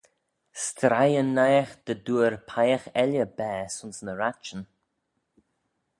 S'treih yn naight dy dooar peiagh elley baase ayns ny ratçhyn.